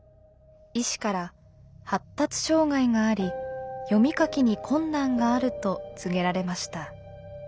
医師から「発達障害があり読み書きに困難がある」と告げられました。